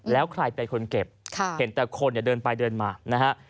แล้วใครเป็นคนเก็บเห็นแต่คนเนี่ยเดินไปเดินมานะฮะ